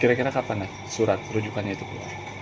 kira kira kapan surat rujukannya itu keluar